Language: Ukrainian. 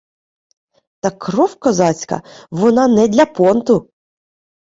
Та кров козацька – вона не для понту: